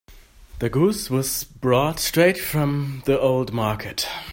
The goose was brought straight from the old market.